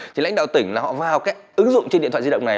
thì lãnh đạo tỉnh là họ vào cái ứng dụng trên điện thoại di động này